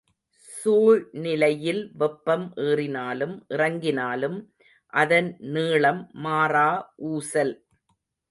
சூழ்நிலையில் வெப்பம் ஏறினாலும் இறங்கினாலும் அதன் நீளம் மாறா ஊசல்.